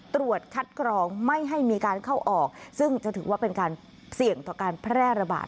ตรวจคัดกรองไม่ให้มีการเข้าออกซึ่งจะถือว่าเป็นการเสี่ยงต่อการแพร่ระบาด